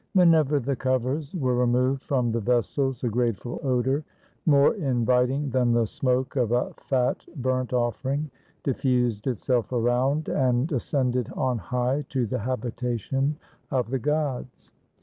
Whenever the covers were removed from the vessels, a grateful odor, more inviting than the smoke of a fat burnt offering, diffused itself around, and ascended on high to the habitation of the gods.